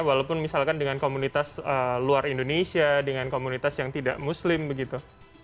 walaupun misalkan dengan komunitas luar indonesia dengan komunitas yang tidak muslim begitu